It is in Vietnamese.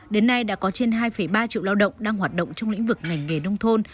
đến nay đã có trên hai ba triệu lao động đang hoạt động trong lĩnh vực ngành nghề nông thôn